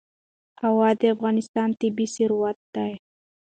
هوا د افغانستان طبعي ثروت دی.